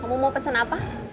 kamu mau pesen apa